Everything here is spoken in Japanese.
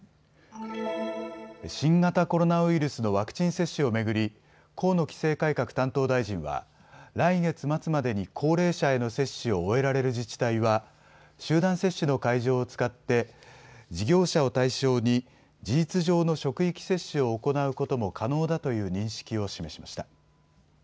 新型コロナウイルスのワクチン接種を巡り河野規制改革担当大臣は来月末までに高齢者への接種を終えられる自治体は集団接種の会場を使って事業者を対象に事実上の職域接種を行うことも可能だという認識を示しました。